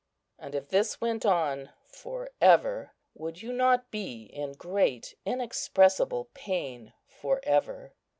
"And if this went on for ever, would you not be in great inexpressible pain for ever?